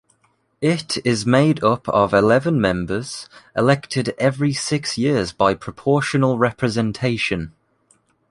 It is made up of eleven members, elected every six years by proportional representation.